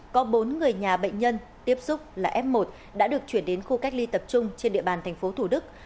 có bốn người nhà bệnh nhân tiếp xúc là f một đã được chuyển đến khu cách ly tập trung trên địa bàn thành phố thủ đức